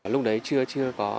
lúc đấy chưa có